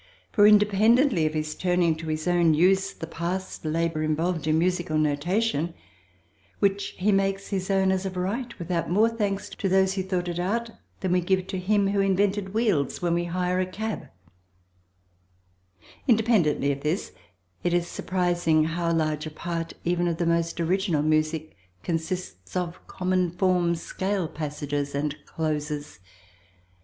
For independently of his turning to his own use the past labour involved in musical notation, which he makes his own as of right without more thanks to those who thought it out than we give to him who invented wheels when we hire a cab, independently of this, it is surprising how large a part even of the most original music consists of common form scale passages, and closes.